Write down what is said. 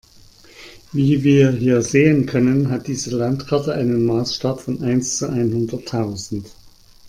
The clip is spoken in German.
Wie wir hier sehen können, hat diese Landkarte einen Maßstab von eins zu einhunderttausend.